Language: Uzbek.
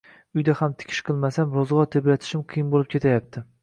Uyda ham tikish qilmasam, ro`zg`or tebratishim qiyin bo`lib ketayapti